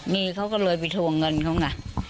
มีเขาก็เลยไปทวงเงินเขาไง